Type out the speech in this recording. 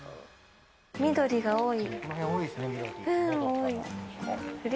緑が多い。